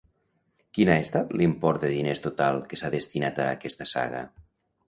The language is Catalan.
Quin ha estat l'import de diners total que s'ha destinat a aquesta saga?